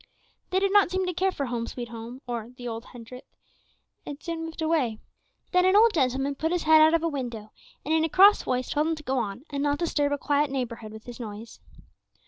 They did not seem to care for "Home, sweet Home," or the "Old Hundredth," and soon moved away. Then an old gentleman put his head out of a window, and in a cross voice told him to go on and not disturb a quiet neighborhood with his noise.